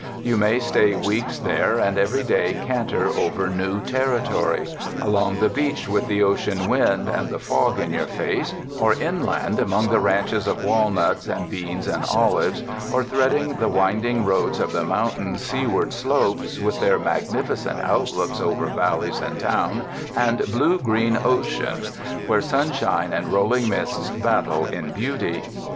You may stay weeks there and every day canter over new territory — along the beach with the ocean wind and the fog in your face, or inland among the ranches of walnuts and beans and olives, or threading the winding roads of the mountains' seaward slopes with their magnificent outlooks over valley and town and blue green ocean where sunshine and rolling mists battle in beauty.